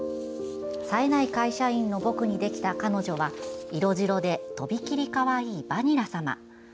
さえない会社員の僕にできた彼女は色白で、とびきりかわいいばにらさま。